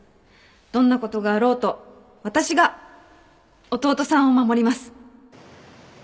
どんなことがあろうと私が弟さんを守ります